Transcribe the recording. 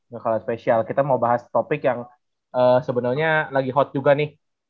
gak kalah spesial kita mau bahas topik yang sebenarnya lagi hot juga nih